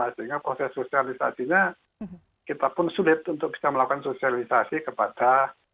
sehingga proses sosialisasinya kita pun sulit untuk bisa melakukan sosialisasi kepada